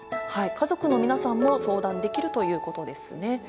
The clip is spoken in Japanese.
家族の皆さんも相談できるということですね。